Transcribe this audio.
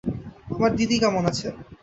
আমার দিদি কেমন আছেন?